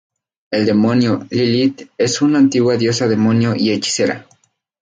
El demonio Lilith es una antigua diosa demonio y hechicera.